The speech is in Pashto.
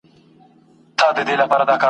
او شعري ارزښت به یې دونه کم وي ..